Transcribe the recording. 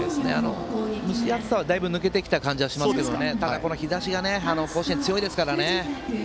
蒸し暑さはだいぶ抜けてきた感じがしますがただ、日ざしが甲子園は強いですからね。